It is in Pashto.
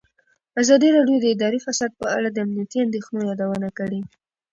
ازادي راډیو د اداري فساد په اړه د امنیتي اندېښنو یادونه کړې.